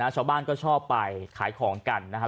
นะฮะชาวบ้านก็ชอบไปขายของกันนะฮะ